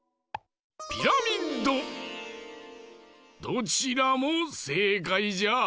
どちらもせいかいじゃ。